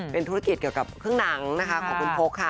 เป็นธุรกิจเกี่ยวกับเครื่องหนังนะคะของคุณพกค่ะ